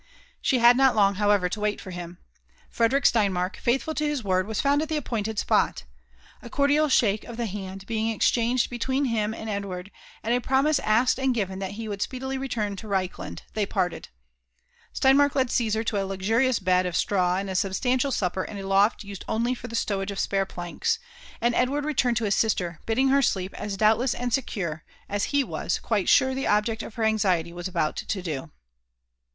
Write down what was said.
She had not long, however, to wait for him. Frederick Steinmark, feiithful to his word, was found at the appointed spot. A cordial shake of the hand being exchanged between him and Edward, and a promise asked and given that he would speedily return toReichland, they parted. Steinmark led Caesar to a luxurious bed of straw and a substantial supper in a loft used only for the stowage of spare planks; and Edward returned to his sister, bidding her sleep ag " doubtless and secure" as he was quite sure the object of her anxi* ety was about to do